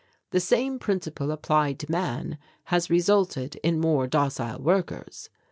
The same principle applied to man has resulted in more docile workers.